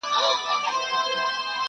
د مرغانو په کتار کي راتلای نه سې،